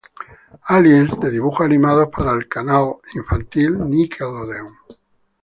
Aliens" de dibujos animados para el canal infantil Nickelodeon.